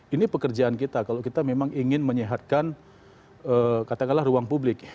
ini pekerjaan kita kalau kita memang ingin menyehatkan katakanlah ruang publik